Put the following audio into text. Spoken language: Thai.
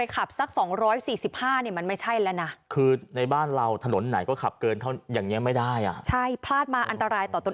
เกินเยอะซะด้วย